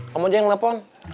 kamu aja yang ngelepon